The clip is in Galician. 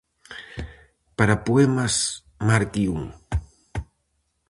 Para poemas, marque un.